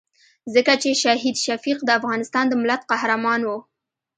ځکه چې شهید شفیق د افغانستان د ملت قهرمان وو.